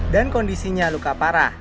dan kondisinya luka parah